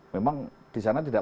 memang disana tidak